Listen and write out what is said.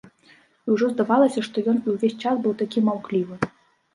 І ўжо здавалася, што ён і ўвесь час быў такі маўклівы.